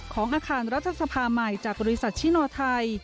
ของอาคารรัฐสภาใหม่จากบริษัทชิโนไทย